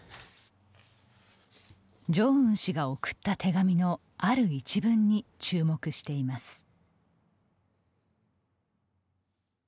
ジョンウン氏が送った手紙のある一文に注目しています。